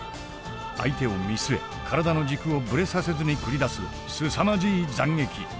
相手を見据え体の軸をぶれさせずに繰り出すすさまじい斬撃。